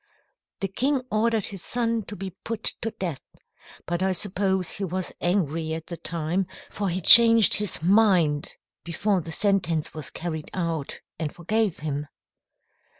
"The king ordered his son to be put to death. But I suppose he was angry at the time, for he changed his mind before the sentence was carried out, and forgave him."